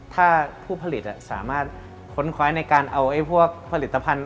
ถ้าผู้ผลิตสามารถค้นคว้าในการเอาพวกผลิตภัณฑ์